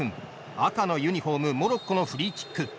赤のユニホームモロッコのフリーキック。